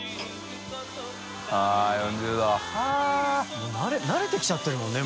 もう慣れてきちゃってるもんね